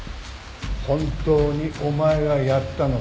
本当にお前がやったのか？